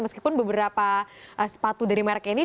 meskipun beberapa sepatu dari merek ini